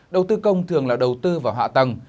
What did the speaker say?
đầu tư công thường là đầu tư vào hạ tầng